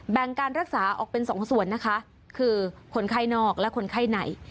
การรักษาออกเป็นสองส่วนนะคะคือคนไข้นอกและคนไข้ใน